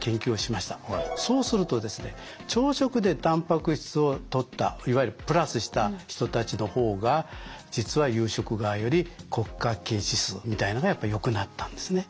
そうするとですね朝食でたんぱく質をとったいわゆるプラスした人たちの方が実は夕食がより骨格筋指数みたいなのがやっぱりよくなったんですね。